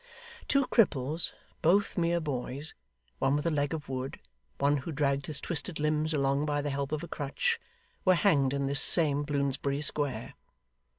Two cripples both mere boys one with a leg of wood, one who dragged his twisted limbs along by the help of a crutch, were hanged in this same Bloomsbury Square.